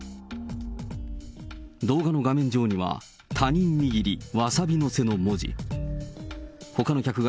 動画の画面上には、他人握りわさび乗せの文字が。